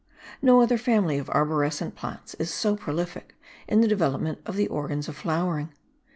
No other family of arborescent plants is so prolific in the development of the organs of flowering.